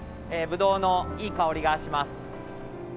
ブドウのいい香りがします。